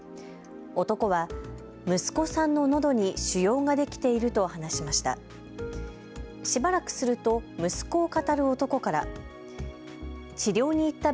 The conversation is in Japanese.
男は、息子さんののどに腫瘍ができていると話しました。